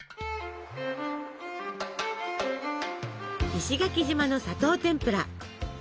石垣島の砂糖てんぷら。